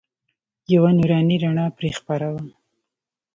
یوه نوراني رڼا پرې خپره وه.